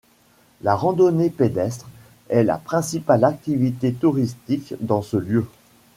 La randonnée pédestre est la principale activité touristique dans ce lieu.